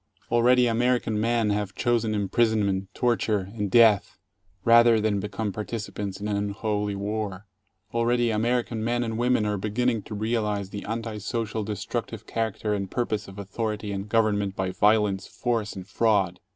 Already American men have chosen imprisonment, torture, and death, rather than become participants in an unholy war. Already American men and women are begin ning to realize the anti social destructive character and purpose of authority and government by violence, force, and fraud.